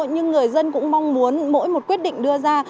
nhưng người dân cũng mong muốn mỗi một quyết định đưa ra